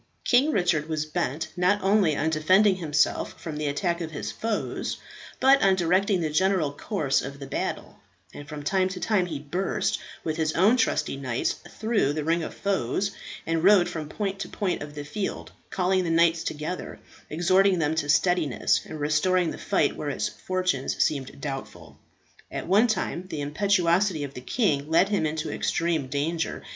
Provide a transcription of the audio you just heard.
King Richard was bent not only on defending himself from the attacks of his foes, but on directing the general course of the battle; and from time to time he burst, with his own trusty knights, through the ring of foes, and rode from point to point of the field, calling the knights together, exhorting them to steadiness, and restoring the fight where its fortunes seemed doubtful. At one time the impetuosity of the king led him into extreme danger.